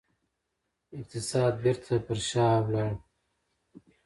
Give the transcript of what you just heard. اقتصاد بیرته پر شا لاړ.